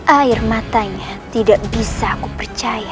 air matanya tidak bisa aku percaya